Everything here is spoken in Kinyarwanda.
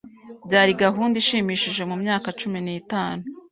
Byari gahunda ishimishije mumyaka cumi n'itanu.